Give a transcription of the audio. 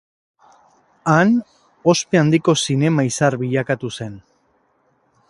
Han ospe handiko zinema-izar bilakatu zen.